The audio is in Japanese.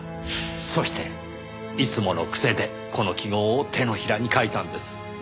そしていつもの癖でこの記号を手のひらに書いたんです。